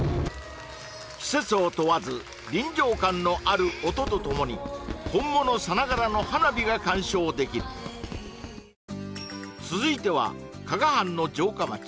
季節を問わず臨場感のある音とともに本物さながらの花火が鑑賞できる続いては加賀藩の城下町